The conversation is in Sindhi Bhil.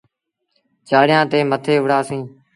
چآڙيآن تآن مٿي وُهڙآ سيٚݩ۔